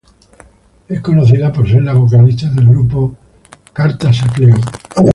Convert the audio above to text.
Es conocida por ser la vocalista del grupo Letters to Cleo.